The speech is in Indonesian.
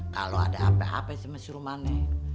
kalo ada apa apa sih sama si rumane